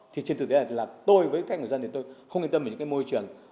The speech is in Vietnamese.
thì trên thực tế là tôi với các người dân thì tôi không yên tâm về những cái môi trường